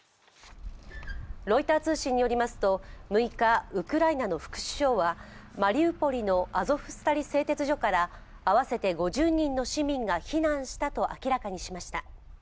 ロイター通信によりますと６日、ウクライナの副首相はマリウポリのアゾフスタリ製鉄所から合わせて５０人の市民が避難したと明らかにしました。